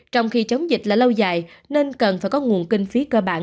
trong khi chống dịch là lâu dài nên cần phải có nguồn kinh phí cơ bản